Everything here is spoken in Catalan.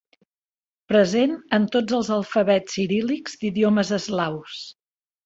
Present en tots els alfabets ciríl·lics d'idiomes eslaus.